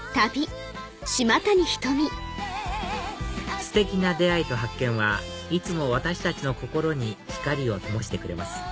ステキな出会いと発見はいつも私たちの心に光をともしてくれます